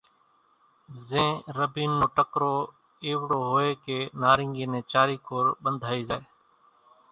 زين رڀين نو ٽڪرو ايوڙو ھوئي ڪي نارينگي نين چارين ڪور ٻنڌائي زائي۔